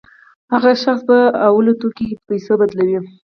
هغه شخص به په لومړیو کې توکي په پیسو بدلول